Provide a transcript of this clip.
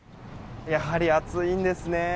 やはり暑いんですね。